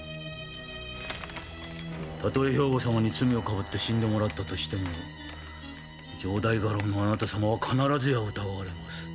たとえ兵庫様に罪を被って死んでもらったとしても城代家老のあなた様は必ずや疑われます。